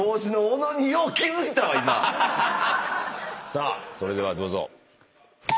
さあそれではどうぞ。